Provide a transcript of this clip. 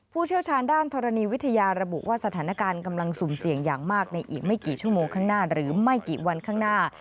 ผู้เชี่ยวชาญด้านธรรณีวิทยาระบุว่าสถานการณ์กำลังสุ่มเสี่ยงอย่างมากในอีกไม่กี่ชั่วโมงข้างหน้า